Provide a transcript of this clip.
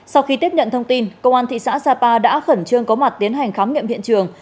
sau khi tiếp nhận thông tin công an thị xã sapa đã khẩn trương có mặt tiến hành khám nghiệm hiện trường